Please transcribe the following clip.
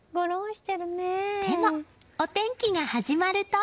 でも、お天気が始まると。